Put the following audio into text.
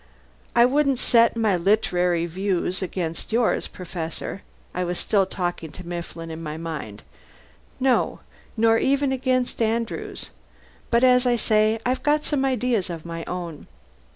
I wouldn't set my lit'ry views up against yours, Professor (I was still talking to Mifflin in my mind), no, nor even against Andrew's but as I say, I've got some ideas of my own.